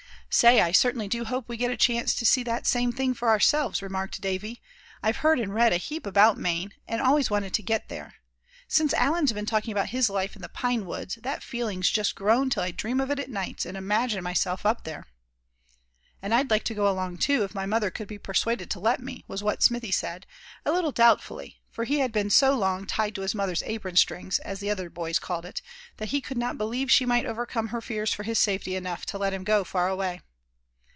"Say, I certainly do hope we get a chance to see that same thing for ourselves," remarked Davy; "I've heard and read a heap about Maine, and always wanted to get there. Since Allan's been talking about his life in the pine woods that feeling's just grown till I dream of it nights, and imagine myself up there." "And I'd like to go along too, if my mother could be persuaded to let me," was what Smithy said, a little doubtfully; for he had been so long "tied to his mother's apron strings," as the other boys called it, that he could not believe she might overcome her fears for his safety enough to let him go far away.